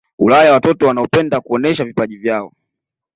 ulaya watoto wanapenda kuonesha vipaji vyao